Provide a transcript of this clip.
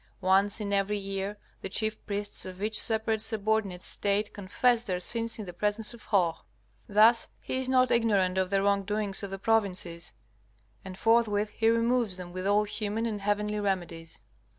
Once in every year the chief priests of each separate subordinate State confess their sins in the presence of Hoh. Thus he is not ignorant of the wrongdoings of the provinces, and forthwith he removes them with all human and heavenly remedies.